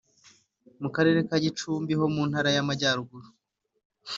mu Karere ka Gicumbi ho mu Ntara y’Amajyaruguru